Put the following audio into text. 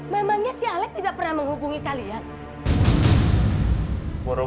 memangnya si alec tidak pernah menghubungi kalian